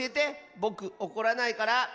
ぼくおこらないから。